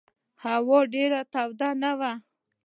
هوا ډېره توده نه وه.